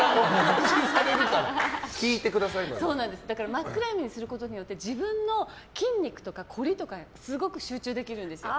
真っ暗闇にすることによって自分の筋肉とかこりとかにすごく集中できるんですよ。